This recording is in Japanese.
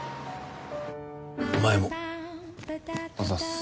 お前もあざす